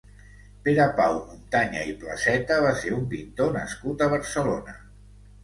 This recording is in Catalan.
Pere Pau Muntanya i Placeta va ser un pintor nascut a Barcelona.